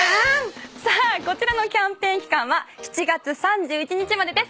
こちらのキャンペーン期間は７月３１日までです。